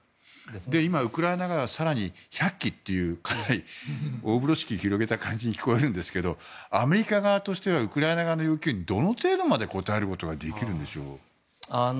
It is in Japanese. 今、ウクライナは１００基という大風呂敷を広げた感じに聞こえるんですけどアメリカ側としてはウクライナ側の要求にどの程度まで応えることができるんでしょう。